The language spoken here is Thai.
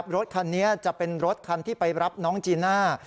รถคันนี้จะเป็นรถคันที่ไปรับน้องจีน่า